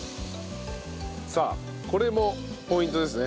さあこれもポイントですね。